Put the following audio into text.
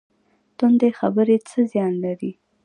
تندې خبرې څه زیان لري؟